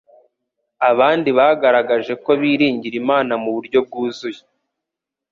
abandi bagaragaje ko biringira Imana mu buryo bwuzuye